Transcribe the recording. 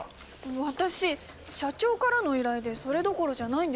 私社長からの依頼でそれどころじゃないんですけど。